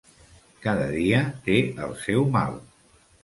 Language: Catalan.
Cada dia té el seu mal.